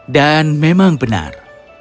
dan memang benar